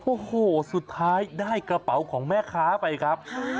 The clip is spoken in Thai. โอ้โหสุดท้ายได้กระเป๋าของแม่ค้าไปครับ